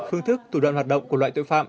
phương thức thủ đoạn hoạt động của loại tội phạm